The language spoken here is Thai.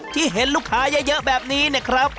ที่เห็นลูกค้ายะเยอะแบบนี้นะครับ